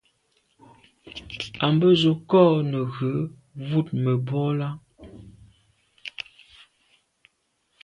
À be z’o kô neghù wut mebwô là.